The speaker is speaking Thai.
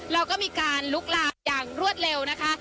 แล้วก็มีการลุกลามอย่างรวดเร็วนะคะ